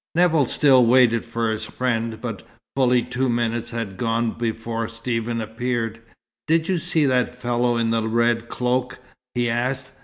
Nevill still waited for his friend, but fully two minutes had gone before Stephen appeared. "Did you see that fellow in the red cloak?" he asked.